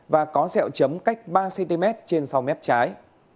và có sẹo chấm cách ba cm trên sáu m trái